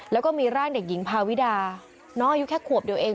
แล้วก็มีร่างเด็กหญิงพาวิดาน้องอายุแค่ขวบเดียวเอง